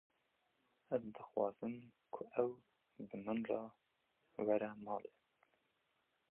Ez dixwazim, ku ew bi min re were malê